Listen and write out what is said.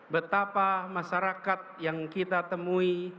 betapa masyarakat yang kita temui